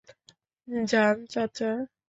যান, চাচা।